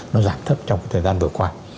nó giảm thấp trong cái thời gian vừa qua